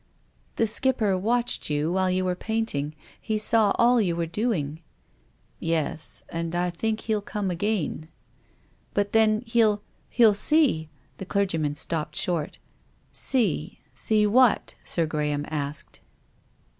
" The Skipper watched you while you were paint ing. Me saw all you were doing." " Yes. And I think he'll come again." " But then— he'll— he'll see—" The clergyman stopped short. "See — sec what?" Sir Graham asked.